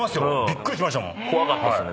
怖かったですね